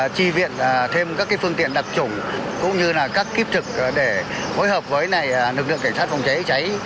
chi viện thêm các phương tiện đặc trùng cũng như là các kiếp trực để hối hợp với lực lượng cảnh sát phòng cháy cháy